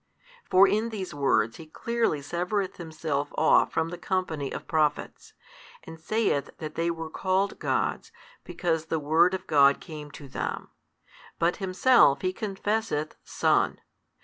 For in these words He clearly severeth Himself off from the company of Prophets, and saith that they were called gods, because the Word of God came to them, but Himself He con fesseth Son.